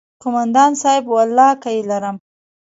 کومندان صايب ولله که يې لرم.